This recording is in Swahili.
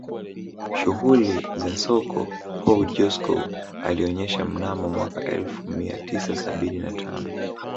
Shughuli za soko Paul Joskow alionyesha mnamo mwaka elfu mia tisa sabini na tano